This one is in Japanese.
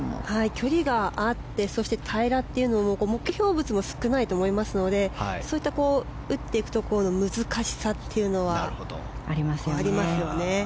距離があって平らというので、目標物が少ないと思いますので打っていくところの難しさというのはありますよね。